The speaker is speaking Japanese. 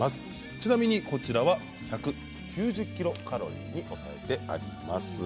ちなみにこちらは１９０ｋｃａｌに抑えてあります。